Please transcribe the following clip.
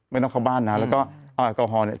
ไม่ต้องเข้าบ้านนะแล้วก็แอลกอฮอลเนี่ย